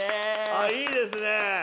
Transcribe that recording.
あっいいですね。